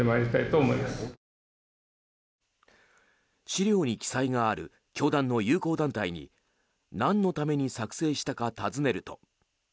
資料に記載がある教団の友好団体になんのために作成したか尋ねると。